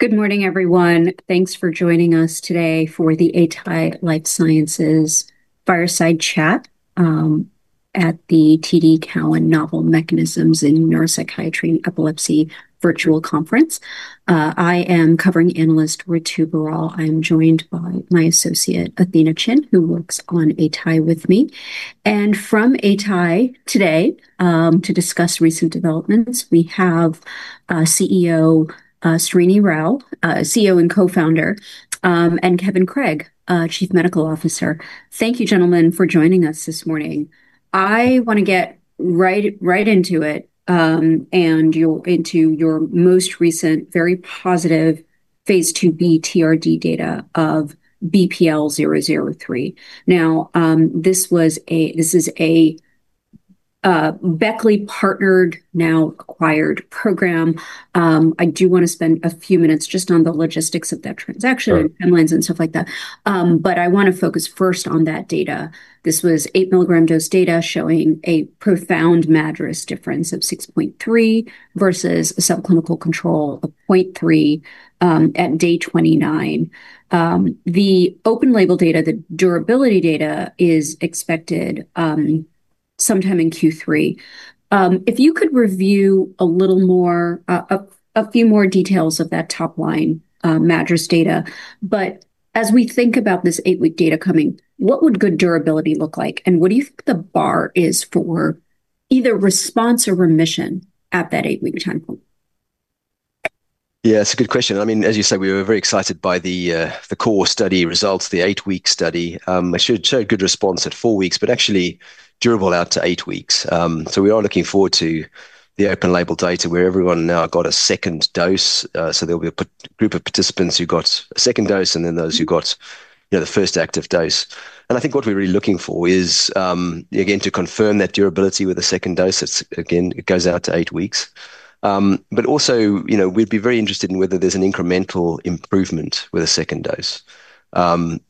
Good morning, everyone. Thanks for joining us today for the Atai Life Sciences fireside chat, at the TD Cowen Novel Mechanisms in Neuropsychiatry and Epilepsy Virtual Conference. I am covering analyst Ritu Biral. I am joined by my associate Athena Chin, who works on Atai with me. From Atai today, to discuss recent developments, we have CEO Srinivas Rao, CEO and co-founder, and Kevin Craig, Chief Medical Officer. Thank you, gentlemen, for joining us this morning. I want to get right into it, into your most recent, very positive Phase II-B TRD data of BPL-003. This was a Beckley Psytech Limited partnered, now acquired, program. I do want to spend a few minutes just on the logistics of that transaction, timelines and stuff like that, but I want to focus first on that data. This was eight ml dose data showing a profound MADRS difference of 6.3 versus subclinical control of 0.3, at day 29. The open-label data, the durability data, is expected sometime in Q3. If you could review a little more, a few more details of that top line MADRS data. As we think about this eight-week data coming, what would good durability look like? What do you think the bar is for either response or remission at that eight-week time? Yeah, it's a good question. I mean, as you said, we were very excited by the core study results, the eight-week study. It showed good response at four weeks, but actually durable out to eight weeks. We are looking forward to the open-label data where everyone now got a second dose. There will be a group of participants who got a second dose and then those who got the first active dose. I think what we're really looking for is, again, to confirm that durability with a second dose. It goes out to eight weeks, but also, you know, we'd be very interested in whether there's an incremental improvement with a second dose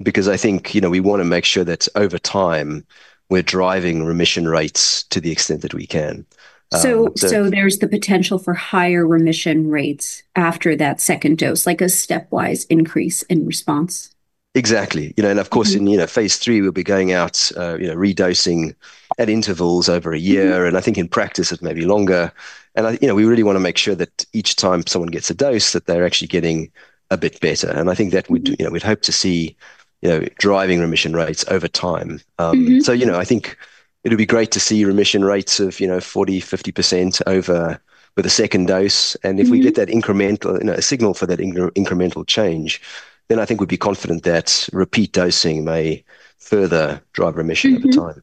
because I think, you know, we want to make sure that over time, we're driving remission rates to the extent that we can. There's the potential for higher remission rates after that second dose, like a stepwise increase in response. Exactly. In phase III, we'll be going out re-dosing at intervals over a year. I think in practice, it may be longer. We really want to make sure that each time someone gets a dose, they're actually getting a bit better. I think that would, we'd hope to see, driving remission rates over time. I think it would be great to see remission rates of 40%, 50% with a second dose. If we get that signal for that incremental change, then I think we'd be confident that repeat dosing may further drive remission over time.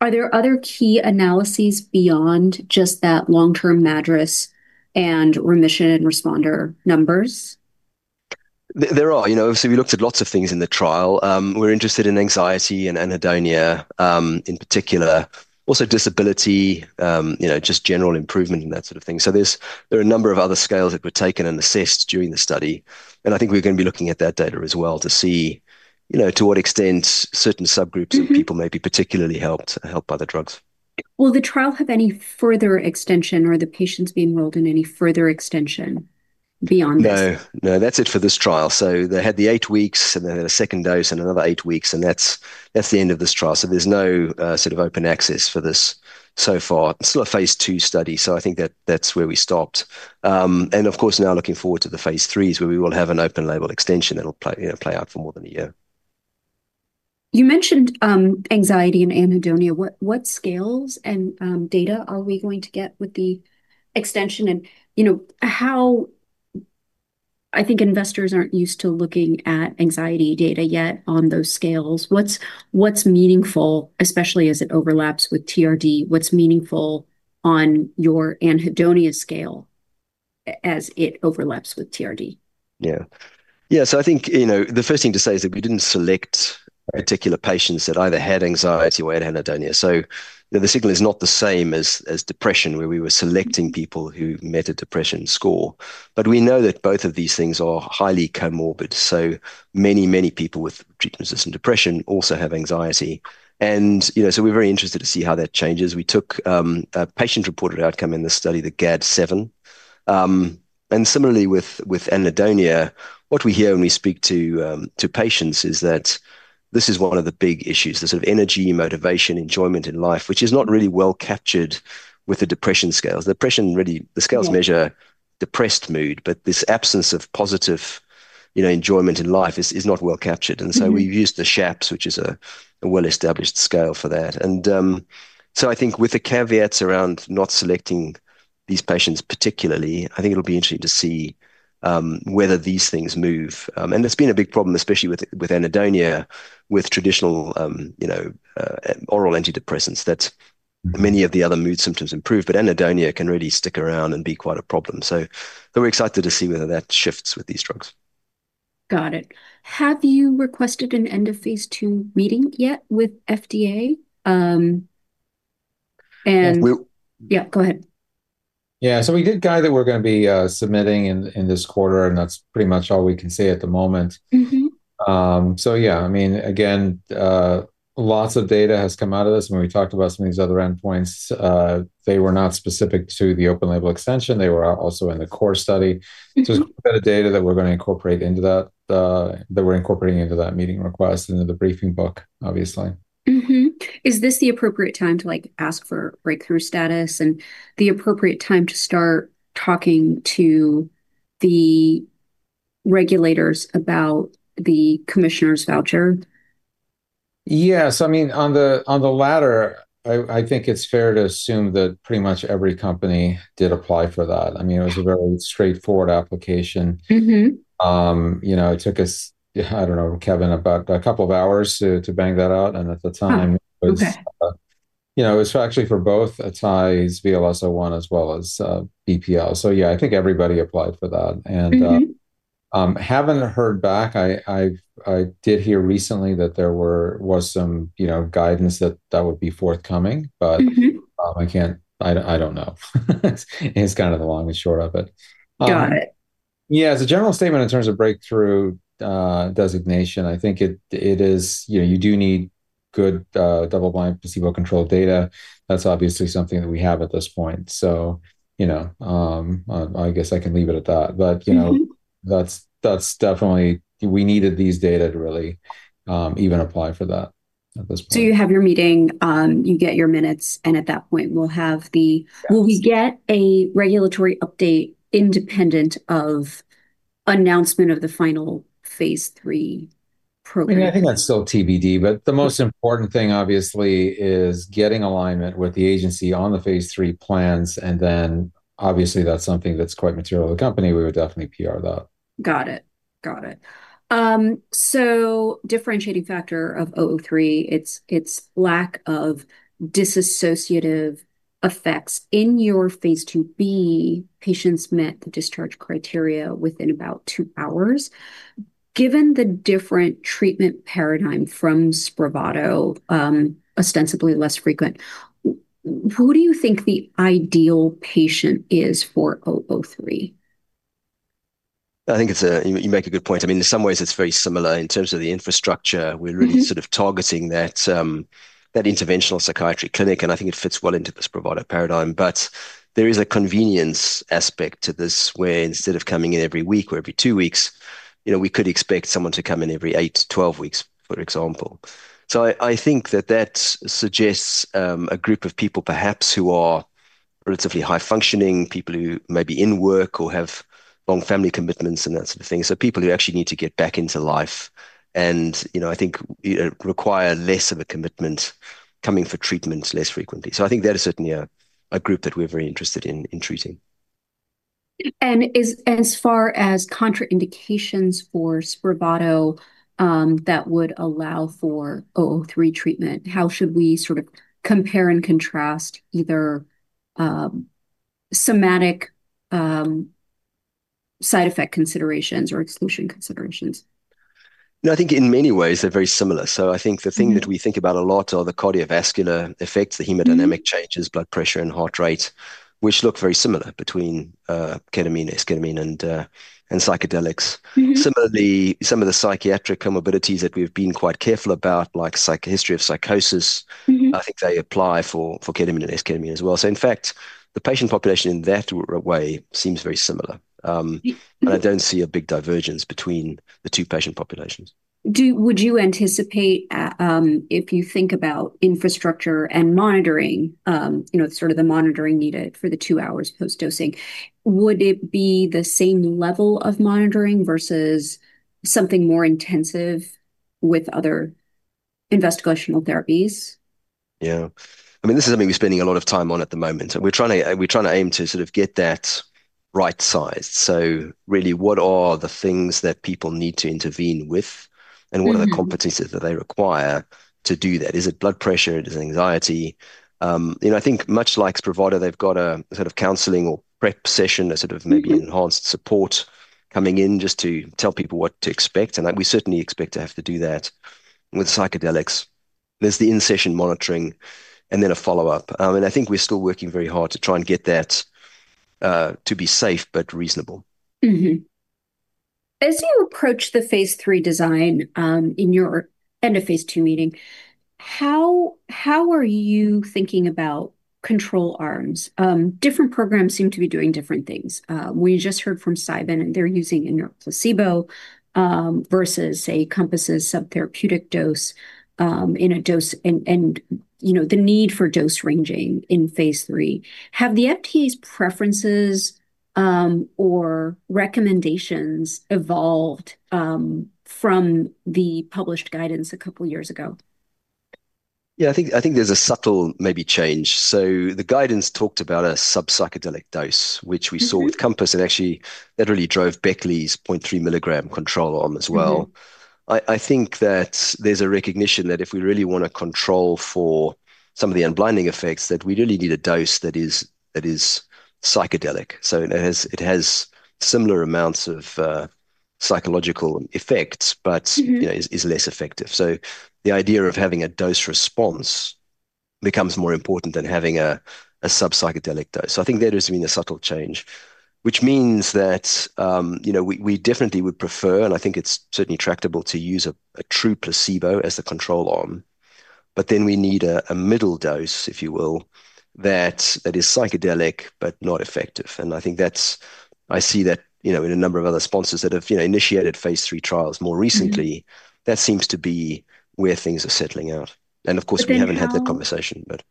Are there other key analyses beyond just that long-term MADRS and remission and responder numbers? Obviously, we looked at lots of things in the trial. We're interested in anxiety and anhedonia, in particular. Also, disability, just general improvement and that sort of thing. There are a number of other scales that were taken and assessed during the study. I think we're going to be looking at that data as well to see to what extent certain subgroups of people may be particularly helped by the drugs. Will the trial have any further extension, or the patients be enrolled in any further extension beyond that? No, that's it for this trial. They had the eight weeks and then a second dose and another eight weeks. That's the end of this trial. There's no sort of open access for this so far. It's still a phase II study. I think that's where we stopped. Of course, now looking forward to the phase III is where we will have an open-label extension that'll play out for more than a year. You mentioned anxiety and anhedonia. What scales and data are we going to get with the extension? I think investors aren't used to looking at anxiety data yet on those scales. What's meaningful, especially as it overlaps with TRD? What's meaningful on your anhedonia scale as it overlaps with TRD? Yeah, yeah. I think the first thing to say is that we didn't select particular patients that either had anxiety or had anhedonia. The signal is not the same as depression where we were selecting people who met a depression score. We know that both of these things are highly comorbid. Many, many people with treatment-resistant depression also have anxiety. We're very interested to see how that changes. We took a patient-reported outcome in the study, the GAD-7. Similarly with anhedonia, what we hear when we speak to patients is that this is one of the big issues, the sort of energy, motivation, enjoyment in life, which is not really well captured with the depression scales. The scales measure depressed mood, but this absence of positive enjoyment in life is not well captured. We've used the SHAPS, which is a well-established scale for that. With the caveats around not selecting these patients particularly, I think it'll be interesting to see whether these things move. There's been a big problem, especially with anhedonia, with traditional oral antidepressants, that many of the other mood symptoms improve, but anhedonia can really stick around and be quite a problem. We're excited to see whether that shifts with these drugs. Got it. Have you requested an end of phase II meeting yet with FDA? Yeah, go ahead. Yeah, we did gather that we're going to be submitting in this quarter, and that's pretty much all we can say at the moment. I mean, again, lots of data has come out of this. When we talked about some of these other endpoints, they were not specific to the open-label extension. They were also in the core study. It's a bit of data that we're going to incorporate into that, that we're incorporating into that meeting request and the briefing book, obviously. Is this the appropriate time to ask for breakthrough therapy designation and the appropriate time to start talking to the regulators about the commissioner's voucher? Yes, I mean, on the latter, I think it's fair to assume that pretty much every company did apply for that. I mean, it was a very straightforward application. You know, it took us, I don't know, Kevin, about a couple of hours to bang that out. At the time, it was actually for both Atai's VLS-01 as well as BPL-003. Yeah, I think everybody applied for that. Having heard back, I did hear recently that there was some guidance that that would be forthcoming, but I can't, I don't know. It's kind of the long and short of it. Got it. As a general statement in terms of breakthrough therapy designation, I think it is, you know, you do need good double-blind placebo-controlled data. That's obviously something that we have at this point. I guess I can leave it at that. That's definitely, we needed these data to really even apply for that at this point. You have your meeting, you get your minutes, and at that point, will we get a regulatory update independent of the announcement of the final phase III program? I think that's still TBD, but the most important thing, obviously, is getting alignment with the agency on the phase III plans. That's something that's quite material to the company. We would definitely PR that. Got it. Got it. The differentiating factor of BPL-003 is its lack of dissociative effects. In your Phase II-B, patients met the discharge criteria within about two hours. Given the different treatment paradigm from Spravato, ostensibly less frequent, who do you think the ideal patient is for BPL-003? I think it's a, you make a good point. I mean, in some ways, it's very similar in terms of the infrastructure. We're really sort of targeting that interventional psychiatric clinic, and I think it fits well into the Spravato paradigm. There is a convenience aspect to this where instead of coming in every week or every two weeks, you know, we could expect someone to come in every eight to 12 weeks, for example. I think that suggests a group of people perhaps who are relatively high functioning, people who may be in work or have long family commitments and that sort of thing. People who actually need to get back into life and, you know, I think require less of a commitment coming for treatments less frequently. I think that is certainly a group that we're very interested in treating. As far as contraindications for Spravato that would allow for BPL-003 treatment, how should we sort of compare and contrast either somatic side effect considerations or exclusion considerations? No, I think in many ways, they're very similar. I think the thing that we think about a lot are the cardiovascular effects, the hemodynamic changes, blood pressure and heart rate, which look very similar between ketamine, esketamine, and psychedelics. Similarly, some of the psychiatric comorbidities that we've been quite careful about, like a history of psychosis, I think they apply for ketamine and esketamine as well. In fact, the patient population in that way seems very similar. I don't see a big divergence between the two patient populations. Would you anticipate, if you think about infrastructure and monitoring, the monitoring needed for the two hours post-dosing, would it be the same level of monitoring versus something more intensive with other investigational therapies? Yeah, I mean, this is something we're spending a lot of time on at the moment. We're trying to aim to sort of get that right size. Really, what are the things that people need to intervene with? What are the competencies that they require to do that? Is it blood pressure? Is it anxiety? I think much like Spravato, they've got a sort of counseling or prep session, maybe enhanced support coming in just to tell people what to expect. We certainly expect to have to do that with psychedelics. There's the in-session monitoring and then a follow-up. I think we're still working very hard to try and get that to be safe but reasonable. As you approach the phase III design in your end of phase II meeting, how are you thinking about control arms? Different programs seem to be doing different things. We just heard from SIBEN and they're using a placebo versus, say, Compass's subtherapeutic dose in a dose and the need for dose ranging in phase III. Have the FDA's preferences or recommendations evolved from the published guidance a couple of years ago? Yeah, I think there's a subtle maybe change. The guidance talked about a subpsychedelic dose, which we saw with COMPASS and actually literally drove Beckley’s 0.3 ml control arm as well. I think that there's a recognition that if we really want to control for some of the unblinding effects, we really need a dose that is psychedelic. It has similar amounts of psychological effects, but is less effective. The idea of having a dose response becomes more important than having a subpsychedelic dose. I think that has been a subtle change, which means that we definitely would prefer, and I think it's certainly tractable to use a true placebo as the control arm. Then we need a middle dose, if you will, that is psychedelic but not effective. I think that's, I see that in a number of other sponsors that have initiated phase III trials more recently, that seems to be where things are settling out. Of course, we haven't had that conversation, but.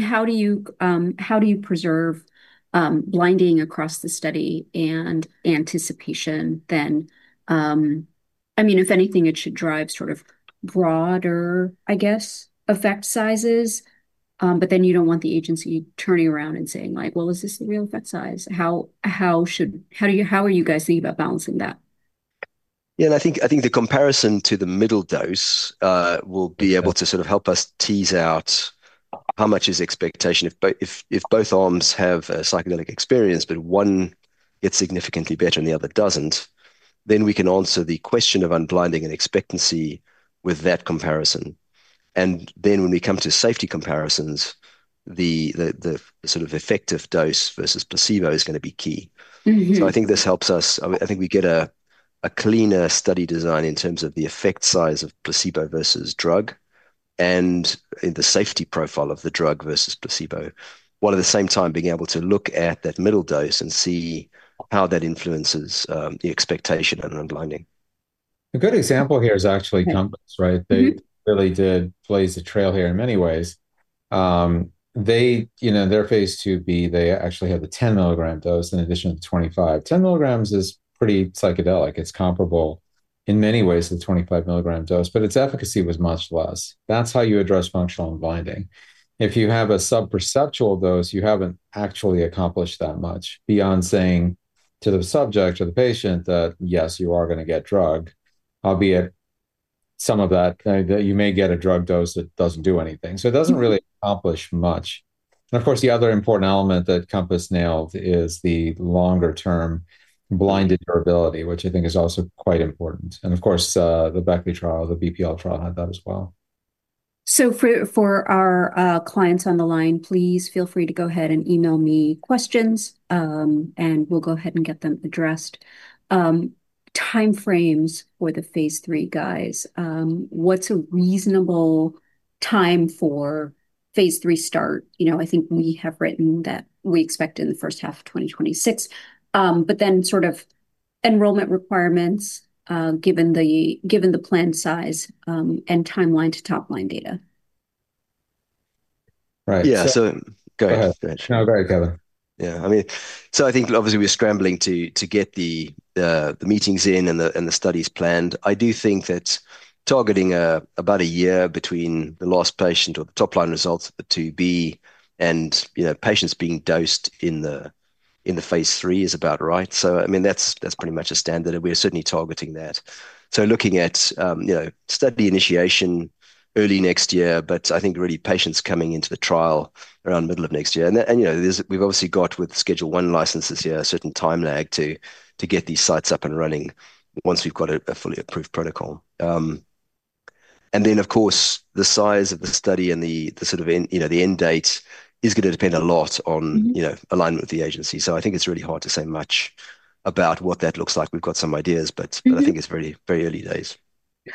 How do you preserve blinding across the study and anticipation then? I mean, if anything, it should drive sort of broader, I guess, effect sizes. You don't want the agency turning around and saying like, is this the real effect size? How are you guys thinking about balancing that? I think the comparison to the middle dose will be able to sort of help us tease out how much is the expectation. If both arms have a psychedelic experience, but one gets significantly better and the other doesn't, then we can answer the question of unblinding and expectancy with that comparison. When we come to safety comparisons, the sort of effective dose versus placebo is going to be key. I think this helps us, I think we get a cleaner study design in terms of the effect size of placebo versus drug and in the safety profile of the drug versus placebo, while at the same time being able to look at that middle dose and see how that influences the expectation and unblinding. A good example here is actually Compass, right? They really did blaze a trail here in many ways. Their Phase II-B, they actually have a 10 ml dose in addition to the 25 ml. 10 ml s is pretty psychedelic. It's comparable in many ways to the 25 ml dose, but its efficacy was much less. That's how you address functional unblinding. If you have a subperceptual dose, you haven't actually accomplished that much beyond saying to the subject or the patient that yes, you are going to get drug, albeit some of that you may get a drug dose that doesn't do anything. It doesn't really accomplish much. The other important element that Compass nailed is the longer term blinded durability, which I think is also quite important. The Beckley trial, the BPL-003 trial had that as well. For our clients on the line, please feel free to go ahead and email me questions, and we'll go ahead and get them addressed. Timeframes for the phase III, guys. What's a reasonable time for phase III start? I think we have written that we expect in the first half of 2026, but then sort of enrollment requirements given the planned size and timeline to top line data. Right. Yeah, go ahead. No, go ahead, Kevin. Yeah, I mean, I think obviously we're scrambling to get the meetings in and the studies planned. I do think that targeting about a year between the last patient or top line results of the two B and, you know, patients being dosed in the phase III is about right. That's pretty much a standard, and we are certainly targeting that. Looking at, you know, study initiation early next year, I think really patients coming into the trial around the middle of next year. We've obviously got with the Schedule I licenses here a certain time lag to get these sites up and running once we've got a fully approved protocol. Of course, the size of the study and the sort of, you know, the end date is going to depend a lot on, you know, alignment with the agency. I think it's really hard to say much about what that looks like. We've got some ideas, but I think it's very, very early days.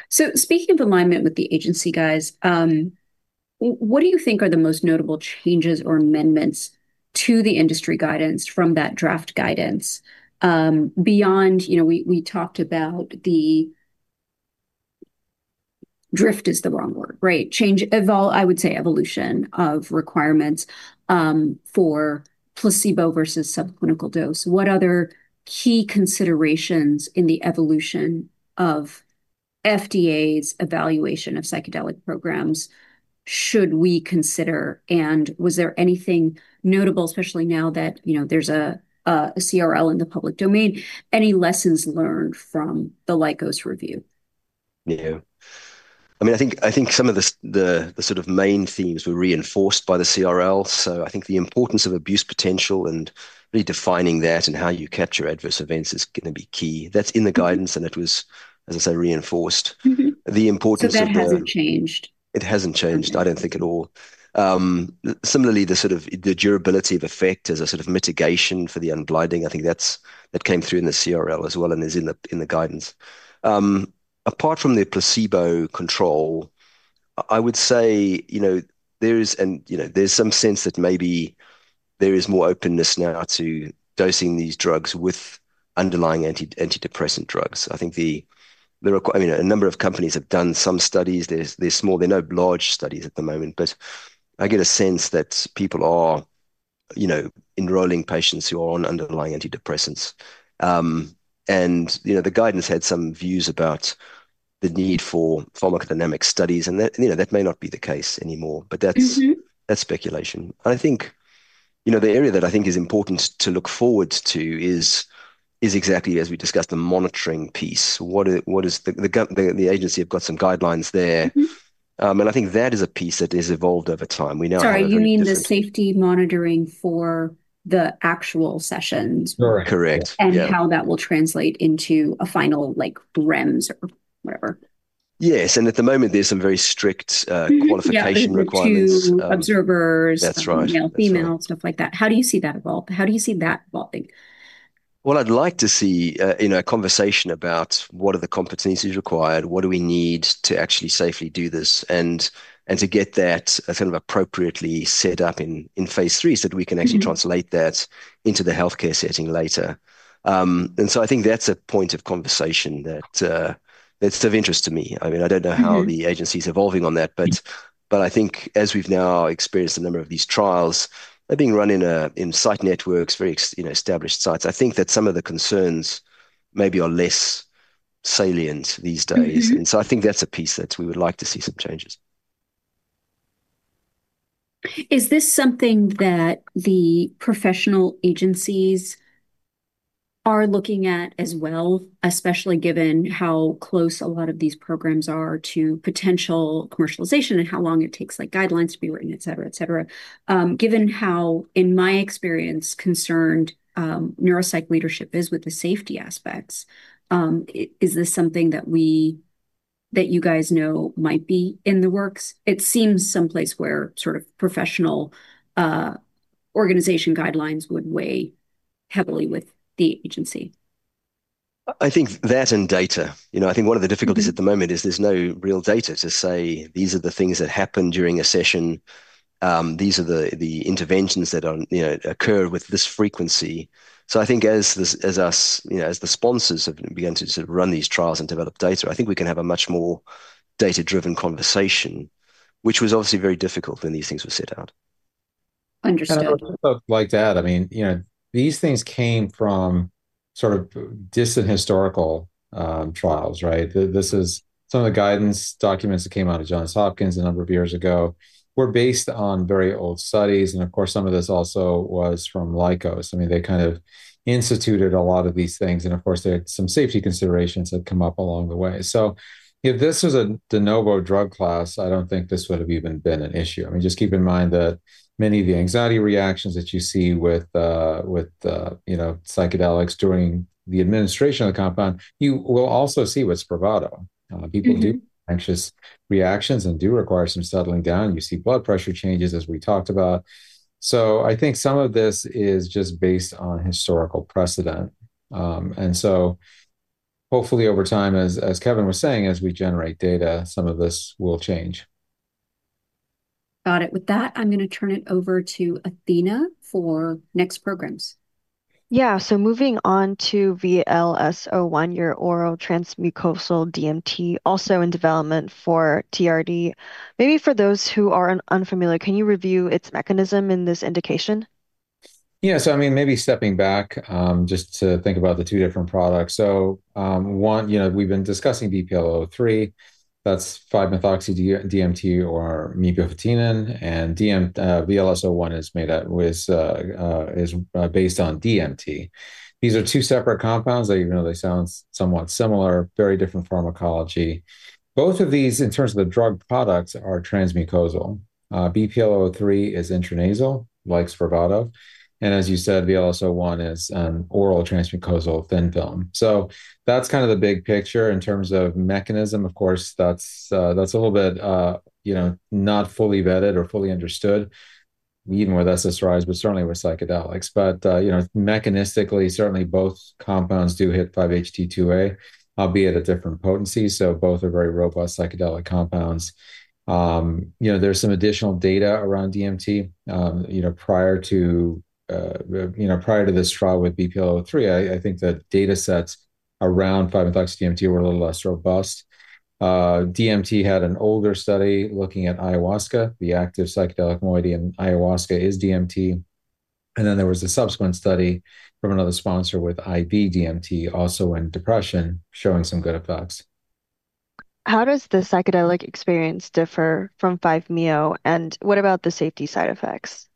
Speaking of alignment with the agency, what do you think are the most notable changes or amendments to the industry guidance from that draft guidance? Beyond, you know, we talked about the drift is the wrong word, right? Change, I would say evolution of requirements for placebo versus subclinical dose. What other key considerations in the evolution of FDA's evaluation of psychedelic programs should we consider? Was there anything notable, especially now that, you know, there's a CRL in the public domain, any lessons learned from the LICO's review? Yeah, I mean, I think some of the sort of main themes were reinforced by the CRL. I think the importance of abuse potential and redefining that and how you catch your adverse events is going to be key. That's in the guidance, and it was, as I said, reinforced. The importance of that. That hasn't changed? It hasn't changed, I don't think at all. Similarly, the sort of durability of effect as a sort of mitigation for the unblinding, I think that came through in the CRL as well and is in the guidance. Apart from the placebo control, I would say there's some sense that maybe there is more openness now to dosing these drugs with underlying antidepressant drugs. I think a number of companies have done some studies. They're small, there are no large studies at the moment, but I get a sense that people are enrolling patients who are on underlying antidepressants. The guidance had some views about the need for pharmacodynamic studies, and that may not be the case anymore, but that's speculation. The area that I think is important to look forward to is exactly, as we discussed, the monitoring piece. The agency has got some guidelines there, and I think that is a piece that has evolved over time. Sorry, you mean the safety monitoring for the actual sessions? Correct. How that will translate into a final like REMS or whatever. Yes, at the moment there's some very strict qualification requirements. Observers, male-female, stuff like that. How do you see that evolving? I’d like to see a conversation about what are the competencies required, what do we need to actually safely do this, and to get that sort of appropriately set up in phase III so that we can actually translate that into the healthcare setting later. I think that's a point of conversation that's of interest to me. I don't know how the agency's evolving on that, but I think as we've now experienced a number of these trials, they're being run in site networks, very established sites. I think that some of the concerns maybe are less salient these days. I think that's a piece that we would like to see some changes. Is this something that the professional agencies are looking at as well, especially given how close a lot of these programs are to potential commercialization and how long it takes, like guidelines to be written, et cetera, given how, in my experience, concerned neuropsych leadership is with the safety aspects? Is this something that you guys know might be in the works? It seems someplace where professional organization guidelines would weigh heavily with the agency. I think that data. I think one of the difficulties at the moment is there's no real data to say these are the things that happen during a session, these are the interventions that occur with this frequency. I think as us, as the sponsors have begun to sort of run these trials and develop data, we can have a much more data-driven conversation, which was obviously very difficult when these things were set out. Understood. I'd like to add, these things came from sort of distant historical trials, right? This is some of the guidance documents that came out of Johns Hopkins a number of years ago, were based on very old studies. Of course, some of this also was from LICO's. They kind of instituted a lot of these things. Of course, some safety considerations have come up along the way. This was a de novo drug class. I don't think this would have even been an issue. Just keep in mind that many of the anxiety reactions that you see with psychedelics during the administration of the compound, you will also see with Spravato. People do have anxious reactions and do require some settling down. You see blood pressure changes, as we talked about. I think some of this is just based on historical precedent. Hopefully over time, as Kevin was saying, as we generate data, some of this will change. Got it. With that, I'm going to turn it over to Athena for next programs. Yeah, so moving on to VLS-01, your oral transmucosal DMT, also in development for TRD. Maybe for those who are unfamiliar, can you review its mechanism in this indication? Yeah, so I mean, maybe stepping back just to think about the two different products. So one, you know, we've been discussing BPL-003. That's 5-MeO-DMT, and VLS-01 is based on DMT. These are two separate compounds. Even though they sound somewhat similar, very different pharmacology. Both of these, in terms of the drug products, are transmucosal. BPL-003 is intranasal, like Spravato. As you said, VLS-01 is an oral transmucosal thin film. That's kind of the big picture in terms of mechanism. Of course, that's a little bit, you know, not fully vetted or fully understood, even with SSRIs, but certainly with psychedelics. Mechanistically, certainly both compounds do hit 5-HT2A, albeit at different potencies. Both are very robust psychedelic compounds. There's some additional data around DMT. Prior to this trial with BPL-003, I think the data sets around 5-MeO-DMT were a little less robust. DMT had an older study looking at ayahuasca, the active psychedelic moiety, and ayahuasca is DMT. There was a subsequent study from another sponsor with IV DMT, also in depression, showing some good effects. How does the psychedelic experience differ from 5-MeO, and what about the safety side effects?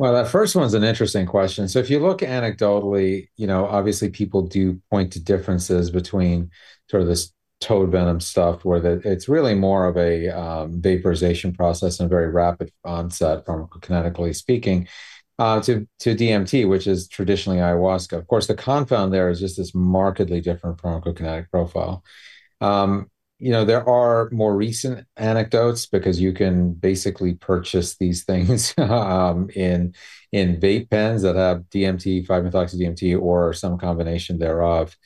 That first one's an interesting question. If you look anecdotally, obviously people do point to differences between sort of this toad venom stuff, where it's really more of a vaporization process and a very rapid onset, pharmacokinetically speaking, to DMT, which is traditionally ayahuasca. Of course, the compound there is just this markedly different pharmacokinetic profile. There are more recent anecdotes because you can basically purchase these things in vape pens that have DMT, 5-MeO-DMT, or some combination thereof.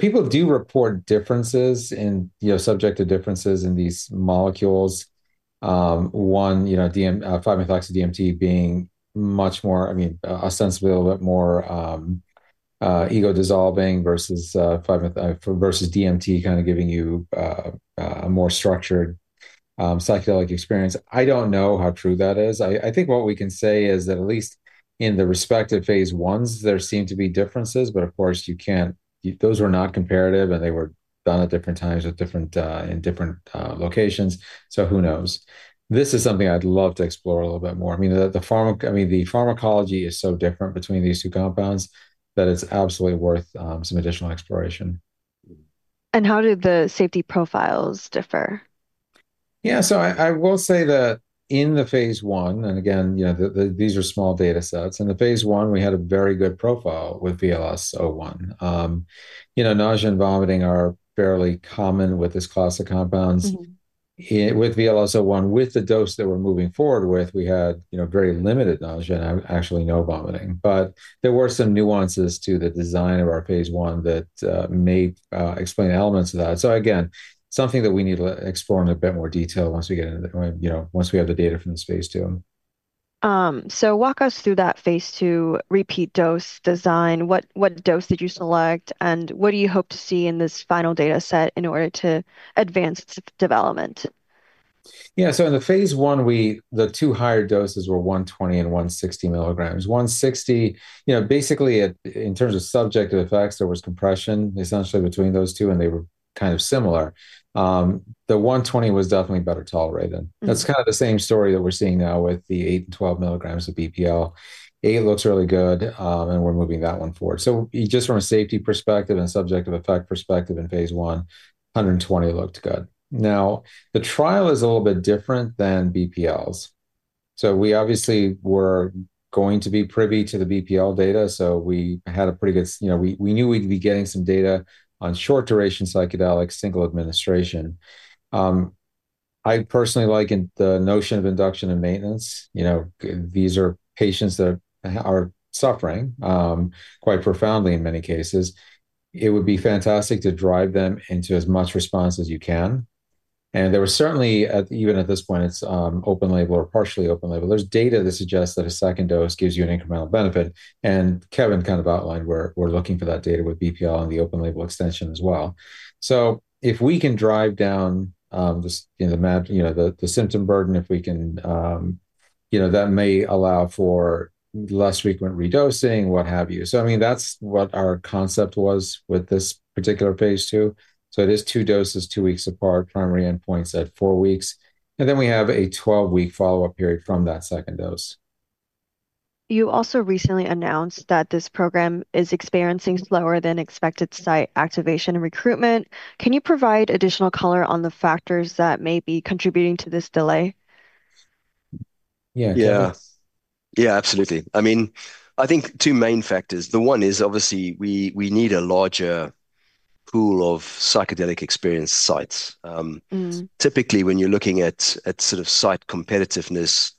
People do report differences in subjective differences in these molecules. One, 5-MeO-DMT being much more, I mean, ostensibly a little bit more ego-dissolving versus DMT kind of giving you a more structured psychedelic experience. I don't know how true that is. I think what we can say is that at least in the respective phase I, there seem to be differences, but of course you can't, those were not comparative and they were done at different times at different locations. Who knows? This is something I'd love to explore a little bit more. The pharmacology is so different between these two compounds that it's absolutely worth some additional exploration. How did the safety profiles differ? Yeah, so I will say that in the phase I, and again, you know, these are small data sets, in the phase I, we had a very good profile with VLS-01. You know, nausea and vomiting are fairly common with this class of compounds. With VLS-01, with the dose that we're moving forward with, we had very limited nausea and actually no vomiting. There were some nuances to the design of our phase I that may explain elements of that. This is something that we need to explore in a bit more detail once we get into the, you know, once we have the data from this phase II. Walk us through that phase II repeat dose design. What dose did you select, and what do you hope to see in this final data set in order to advance development? Yeah, so in the phase I, the two higher doses were 120 ml and 160 ml. 160ml, you know, basically in terms of subjective effects, there was compression essentially between those two and they were kind of similar. The 120 ml was definitely better tolerated. That's kind of the same story that we're seeing now with the 8 ml and 12 ml of BPL-003. 8 ml looks really good and we're moving that one forward. Just from a safety perspective and a subjective effect perspective in phase I, 120 ml looked good. Now, the trial is a little bit different than BPL-003's. We obviously were going to be privy to the BPL-003 data. We had a pretty good, you know, we knew we'd be getting some data on short duration psychedelics, single administration. I personally like the notion of induction and maintenance. These are patients that are suffering quite profoundly in many cases. It would be fantastic to drive them into as much response as you can. There was certainly, even at this point, it's open-label or partially open-label. There's data that suggests that a second dose gives you an incremental benefit. Kevin kind of outlined where we're looking for that data with BPL-003 and the open-label extension as well. If we can drive down the symptom burden, that may allow for less frequent re-dosing, what have you. That's what our concept was with this particular phase II. It is two doses, two weeks apart, primary endpoints at four weeks. We have a 12-week follow-up period from that second dose. You also recently announced that this program is experiencing slower than expected site activation and recruitment. Can you provide additional color on the factors that may be contributing to this delay? Yeah, absolutely. I mean, I think two main factors. The one is obviously we need a larger pool of psychedelic experience sites. Typically, when you're looking at sort of site competitiveness,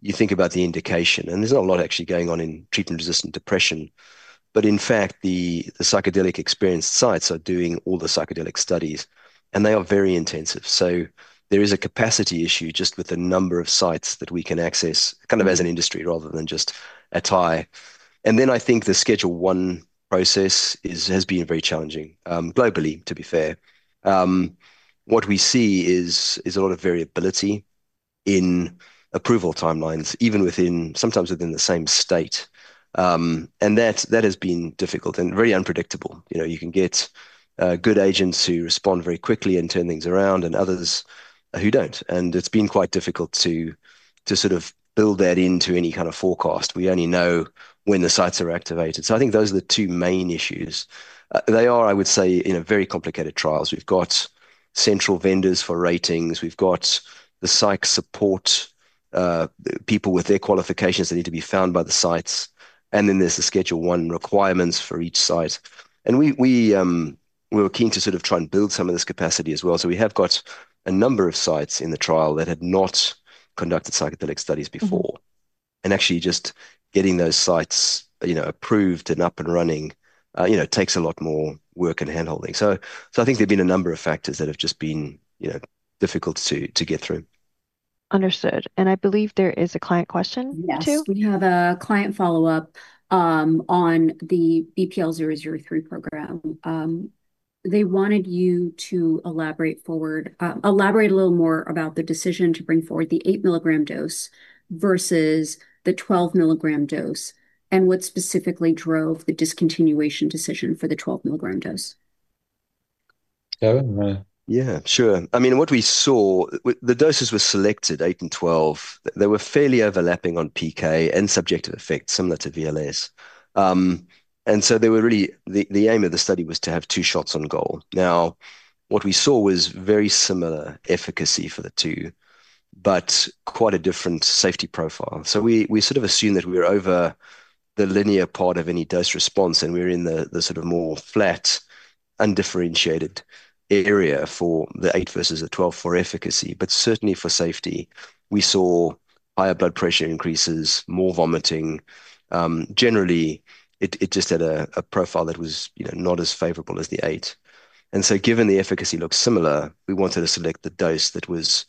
you think about the indication. There's not a lot actually going on in treatment-resistant depression. In fact, the psychedelic experience sites are doing all the psychedelic studies, and they are very intensive. There is a capacity issue just with the number of sites that we can access kind of as an industry rather than just atai. I think the Schedule I process has been very challenging globally, to be fair. What we see is a lot of variability in approval timelines, even sometimes within the same state. That has been difficult and very unpredictable. You can get good agents who respond very quickly and turn things around and others who don't. It's been quite difficult to sort of build that into any kind of forecast. We only know when the sites are activated. I think those are the two main issues. They are, I would say, in a very complicated trial. We've got central vendors for ratings. We've got the psych support, people with their qualifications that need to be found by the sites. Then there's the Schedule I requirements for each site. We were keen to sort of try and build some of this capacity as well. We have got a number of sites in the trial that had not conducted psychedelic studies before. Actually just getting those sites approved and up and running takes a lot more work and handholding. I think there have been a number of factors that have just been difficult to get through. Understood. I believe there is a client question too. Yes, we have a client follow-up on the BPL-003 program. They wanted you to elaborate a little more about the decision to bring forward the 8 ml dose versus the 12 ml dose. What specifically drove the discontinuation decision for the 12 ml dose? Yeah, sure. I mean, what we saw, the doses were selected, 8 ml and 12 ml. They were fairly overlapping on PK and subjective effects, similar to VLS-01. The aim of the study was to have two shots on goal. What we saw was very similar efficacy for the two, but quite a different safety profile. We sort of assumed that we were over the linear part of any dose response, and we were in the more flat, undifferentiated area for the 8 ml versus the 12 ml for efficacy. Certainly for safety, we saw higher blood pressure increases, more vomiting. Generally, it just had a profile that was not as favorable as the 8 ml. Given the efficacy looked similar, we wanted to select the dose that was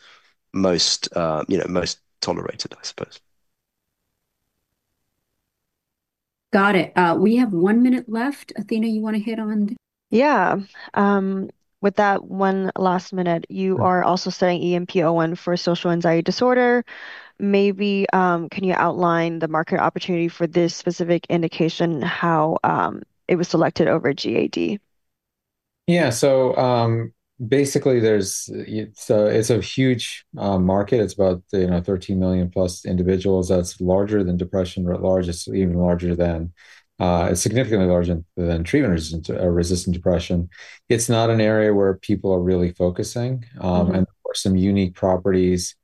most tolerated, I suppose. Got it. We have one minute left. Athena, you want to hit on? Yeah. With that one last minute, you are also studying EMP-01 for social anxiety disorder. Maybe can you outline the market opportunity for this specific indication, how it was selected over GAD? Yeah, so basically, it's a huge market. It's about 13+ million individuals. That's larger than depression writ large. It's even larger than, it's significantly larger than treatment-resistant depression. It's not an area where people are really focusing. There are some unique properties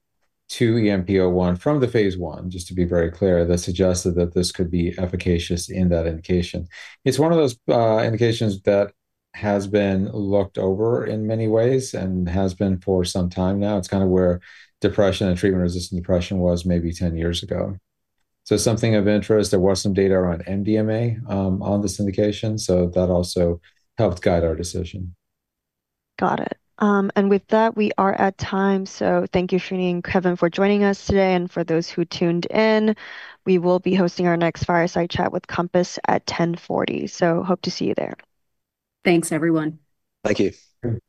to EMP-01 from the phase I, just to be very clear, that suggested that this could be efficacious in that indication. It's one of those indications that has been looked over in many ways and has been for some time now. It's kind of where depression and treatment-resistant depression was maybe 10 years ago. Something of interest, there was some data around MDMA on this indication. That also helped guide our decision. Got it. With that, we are at time. Thank you for meeting Kevin for joining us today. For those who tuned in, we will be hosting our next fireside chat with Compass at 10:40 A.M. Hope to see you there. Thanks, everyone. Thank you.